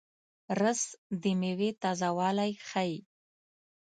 رس د میوې تازهوالی ښيي